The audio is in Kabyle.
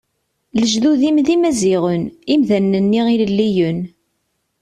Lejdud-im d Imaziɣen, imdanen-nni ilelliyen.